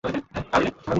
ওয়ার্ডেনদের মারধোর করেছে।